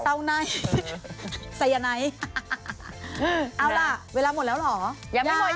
เตาไนไซยันไนเอาล่ะเวลาหมดแล้วหรอยังยังไม่หมด